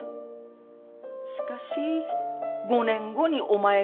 しかし５年後にお前が生まれた。